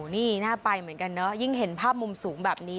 นี่น่าไปเหมือนกันเนอะยิ่งเห็นภาพมุมสูงแบบนี้